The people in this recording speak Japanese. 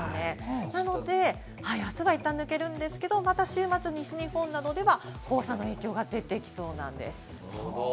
なので明日はいったん抜けるんですけど、また週末、西日本などでは黄砂の影響が出てきそうです。